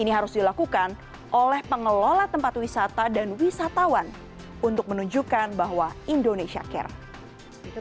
ini harus dilakukan oleh pengelola tempat wisata dan wisatawan untuk menunjukkan bahwa indonesia care